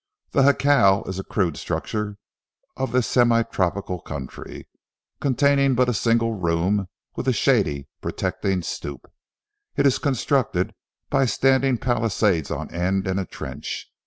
The jacal is a crude structure of this semi tropical country, containing but a single room with a shady, protecting stoop. It is constructed by standing palisades on end in a trench.